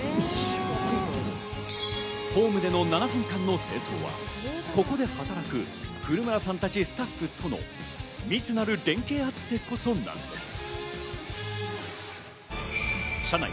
ホームでの７分間の清掃はここで働く古村さんたちスタッフとの密なる連携があってこそなのです。